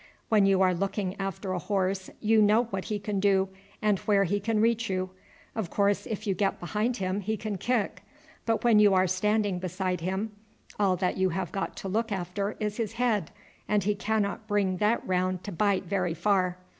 When you are looking after a horse you know what he can do and where he can reach you. Of course if you get behind him he can kick, but when you are standing beside him all that you have got to look after is his head, and he cannot bring that round to bite very far.